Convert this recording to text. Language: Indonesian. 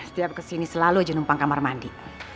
setiap kesini selalu aja numpang kamar mandi